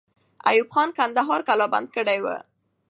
ایوب خان کندهار قلابند کړی وو.